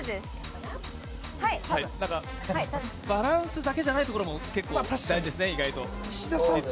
バランスだけじゃないところも大事ですね、実は。